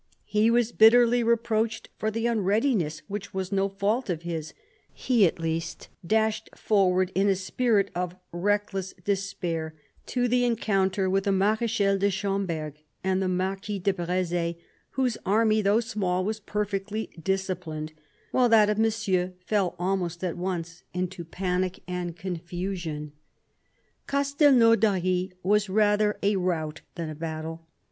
He was bitterly reproached for the unreadiness which was no fault of his; and he, at least, dashed forward in a spirit of reckless despair to the encounter with the Marechal de Schomberg and the Marquis de Breze, whose army, though small, was perfectly disciplined, while that of Monsieur fell almost at once into panic and confusion. THE CARDINAL . 229 Castelnaudary was rather a rout than a battle.